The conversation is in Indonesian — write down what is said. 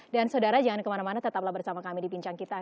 dan saudara jangan kemana mana tetaplah bersama kami di bincang kita